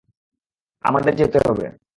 আমাদের যেতে হবে!